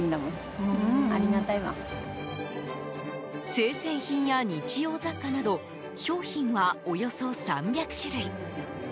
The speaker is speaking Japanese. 生鮮品や日用雑貨など商品は、およそ３００種類。